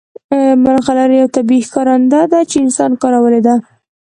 ملغلرې یو طبیعي ښکارنده ده چې انسان کارولې ده